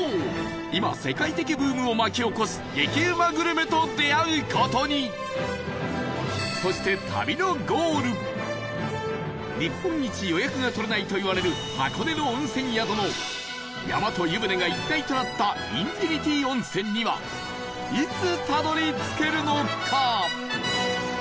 今、世界的ブームを巻き起こす激うまグルメと出会う事にそして、旅のゴール日本一、予約が取れないといわれる、箱根の温泉宿の山と湯船が一体となったインフィニティ温泉にはいつ、たどり着けるのか？